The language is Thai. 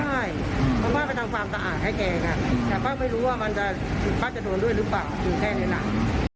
ใช่มันว่าเป็นทางความตะอ่างให้แก่แต่ป้าไม่รู้ว่ามันจะป้าจะโดนด้วยหรือเปล่าถึงแค่เนื้อหนัก